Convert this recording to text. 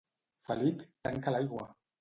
Felip, tanca l'aigua!